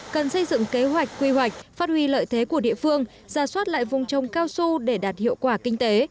cần xây dựng kế hoạch quy hoạch phát huy lợi thế của địa phương ra soát lại vùng trông cao su để đạt hiệu quả kinh tế